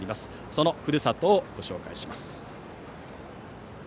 そのふるさとをご紹介します。